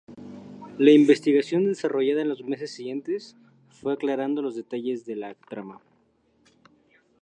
La investigación desarrollada en los meses siguientes fue aclarando los detalles de la trama.